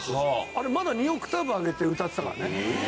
あれまだ２オクターブ上げて歌ってたからね。